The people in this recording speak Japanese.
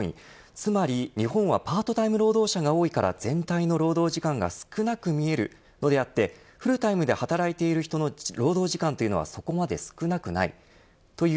つまり日本はパートタイム労働者が多いから全体の労働時間が少なく見えるのであってフルタイムで働いている人の労働時間というのはそこまで少なくない。